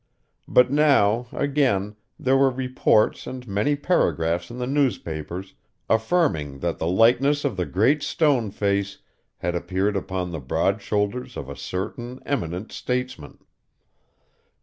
But now, again, there were reports and many paragraphs in the newspapers, affirming that the likeness of the Great Stone Face had appeared upon the broad shoulders of a certain eminent statesman.